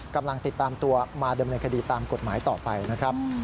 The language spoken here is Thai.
กำลังติดตามตัวมาดำเนินคดีตามกฎหมายต่อไปนะครับ